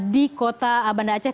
di kota banda aceh